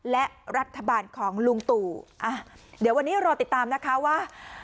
และรัฐบาลของลุงตู่อ่ะเดี๋ยววันนี้รอติดตามนะคะว่า